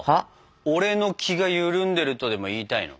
俺の気が緩んでるとでも言いたいの？